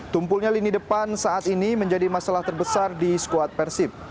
tumpulnya lini depan saat ini menjadi masalah terbesar di skuad persib